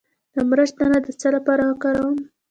د مرچ دانه د څه لپاره وکاروم؟